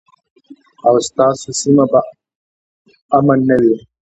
ایا ستاسو سیمه به امن نه وي؟